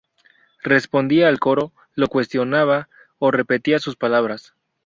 Respondía al coro, lo cuestionaba o repetía sus palabras.